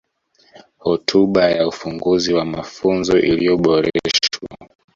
Hotuba ya Ufunguzi wa Mafunzo iliyoboreshwa